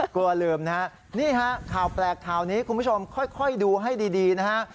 กลัวลืมนะฮะนี่ฮะข่าวแปลกข่าวนี้คุณผู้ชมค่อยดูให้ดีนะฮะ